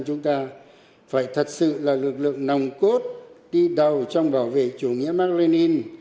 chúng ta phải thật sự là lực lượng nồng cốt đi đầu trong bảo vệ chủ nghĩa mạc lê ninh